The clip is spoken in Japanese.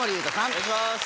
お願いします。